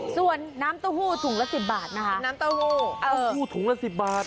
ส่วนน้ำโต๊ฮู่ถุงละสิบบาทนะคะน้ำโตโหเออวูทำด์หู้ถุงละสิบบาท